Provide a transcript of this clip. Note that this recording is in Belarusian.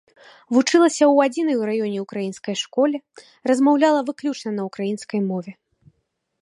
Вучылася ў адзінай у раёне ўкраінскай школе, размаўляла выключна на ўкраінскай мове.